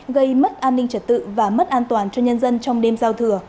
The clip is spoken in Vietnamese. gây mất an ninh trật tự và mất an toàn cho nhân dân trong đêm giao thừa